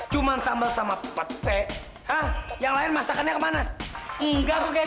katanya yang ini aja indonesia